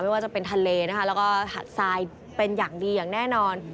ว่าจะเป็นทะเลนะคะแล้วก็หัดทรายเป็นอย่างดีอย่างแน่นอน